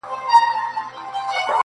پر خره سپور دئ، خر ځني ورک دئ.